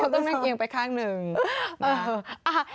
เสดี่กายค่ะ